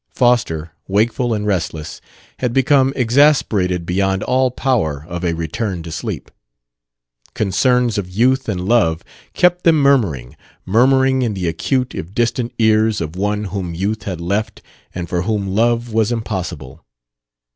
Foster, wakeful and restless, had become exasperated beyond all power of a return to sleep. Concerns of youth and love kept them murmuring, murmuring in the acute if distant ears of one whom youth had left and for whom love was impossible.